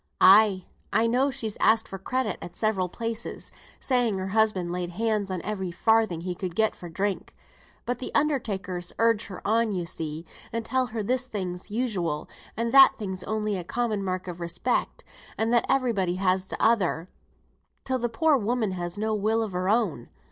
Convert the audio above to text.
"Ay, I know she's asked for credit at several places, saying her husband laid hands on every farthing he could get for drink. But th' undertakers urge her on you see, and tell her this thing's usual, and that thing's only a common mark of respect, and that every body has t'other thing, till the poor woman has no will o' her own.